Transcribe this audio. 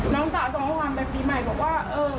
น้องสาวทนไม่ไหวไปปีใหม่บอกว่า